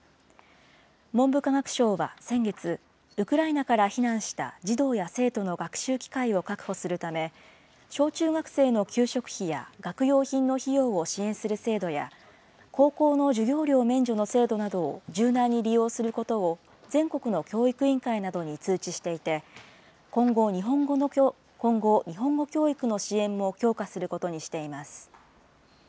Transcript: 文部科学省は先月、ウクライナから避難した児童や生徒の学習機会を確保するため、小中学生の給食費や学用品の費用を支援する制度や、高校の授業料免除の制度などを柔軟に利用することを、全国の教育委員会などに通知していて、今後、日本語教育の支援も強化することにしています。